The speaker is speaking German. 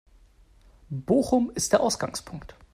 Bochum ist der Ausgangspunkt.